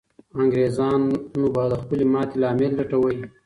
انګریزان به د خپلې ماتې لامل لټوله.